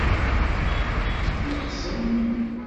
Tlexsem.